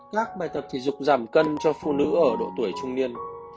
các bài tập thể dục giảm cân cho phụ nữ ở độ tuổi trung niên